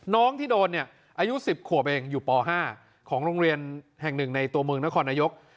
น้องที่โดนเนี่ยอายุ๑๐ขวบเองอยู่ป๕ของโรงเรียนแห่งหนึ่งในตัวเมืองนครนายก